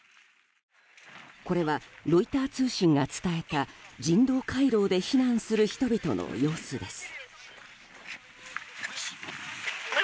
これはロイター通信が伝えた人道回廊で避難する人々の様子です。